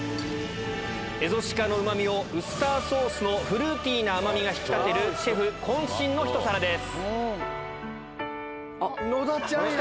蝦夷鹿のうまみをウスターソースのフルーティーな甘みが引き立てる、シェフこん身の一皿です。